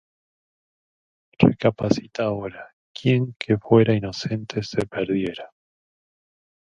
Recapacita ahora, ¿quién que fuera inocente se perdiera?